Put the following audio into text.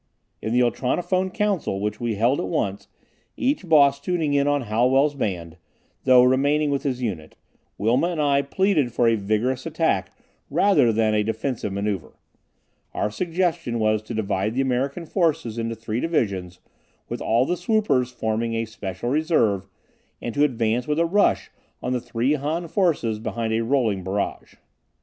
In the ultronophone council which we held at once, each Boss tuning in on Hallwell's band, though remaining with his unit, Wilma and I pleaded for a vigorous attack rather than a defensive maneuver. Our suggestion was to divide the American forces into three divisions, with all the swoopers forming a special reserve, and to advance with a rush on the three Han forces behind a rolling barrage.